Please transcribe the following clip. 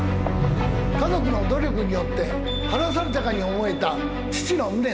家族の努力によって晴らされたかに思えた。